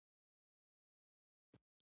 د کارګرو مولدیت په پام کې نه نیسي.